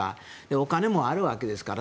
お金もあるわけですから。